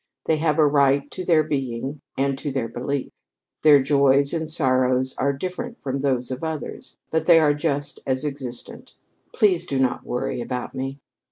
They have a right to their being and to their belief. Their joys and sorrows are different from those of others, but they are just as existent. Please do not worry about me."